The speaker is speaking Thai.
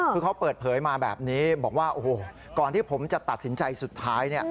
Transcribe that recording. คือเขาเปิดเผยมาแบบนี้บอกว่าโอ้โหก่อนที่ผมจะตัดสินใจสุดท้าย